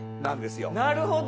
なるほど。